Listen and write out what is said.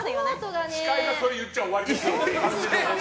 司会がそれ言っちゃ終わりですよ。